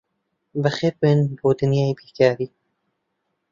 بەخێربێن بۆ دنیای بیرکاری.